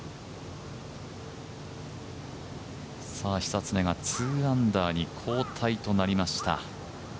久常が２アンダーに後退となりました。